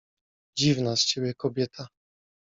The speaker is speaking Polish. — Dziwna z ciebie kobieta.